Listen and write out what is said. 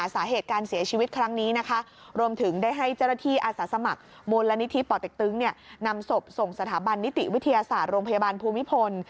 สถาบันนิติวิทยาศาสตร์โรงพยาบาลภูมิพล